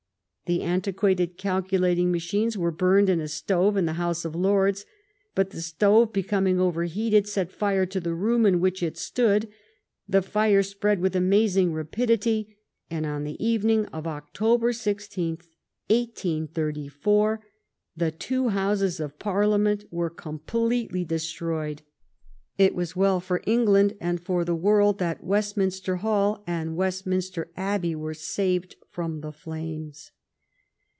The antiquated calculating machines were burned in a stove in the House of Lords, but the stove, becoming overheated, set fire to the room in which it stood, the fire spread with amazing rapidity, and on the evening of October 16, 1834, the two Houses of Parliament were com pletely destroyed. It was well for England and for the world that Westminster Hall and Westminster Abbey were saved from the flames.